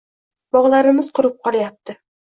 Bog`larimiz qurib qolayapti